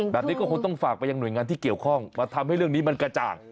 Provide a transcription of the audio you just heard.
แบบนี้ก็คงต้องฝากไปยังหน่วยงานที่เกี่ยวข้องมาทำให้เรื่องนี้มันกระจ่าง